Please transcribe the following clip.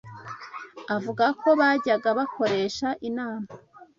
avuga ko bajyaga bakoresha inama